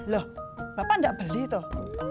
loh bapak nggak beli toh